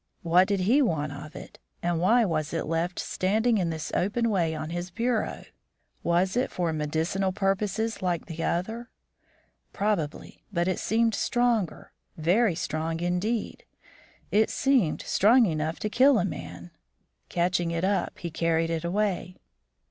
What did he want of it, and why was it left standing in this open way on his bureau? Was it for medicinal purposes like the other? Probably; but it seemed stronger, very strong indeed; it seemed strong enough to kill a man. Catching it up, he carried it away.